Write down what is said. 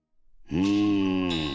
うん。